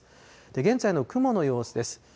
現在の雲の様子です。